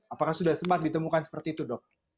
apakah sudah sempat ditemukan seperti itu dok